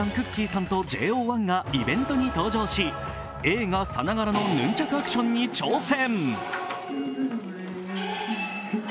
さんとＪＯ１がイベントに登場し映画さながらのヌンチャクアクションに挑戦。